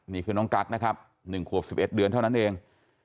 นี่คือน้องกั๊กนะครับ๑ขวบ๑๑เดือนเท่านั้นเอง